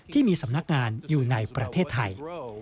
ที่มีสำนักงานอยู่ในประเทศไทย